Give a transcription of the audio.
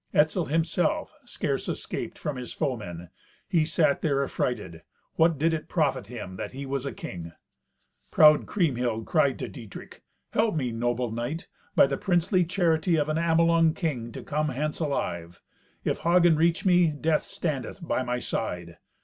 Etzel himself scarce escaped from his foemen. He sat there affrighted. What did it profit him that he was a king? Proud Kriemhild cried to Dietrich, "Help me, noble knight, by the princely charity of an Amelung king, to come hence alive. If Hagen reach me, death standeth by my side."